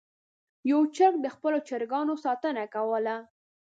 یو چرګ د خپلو چرګانو ساتنه کوله.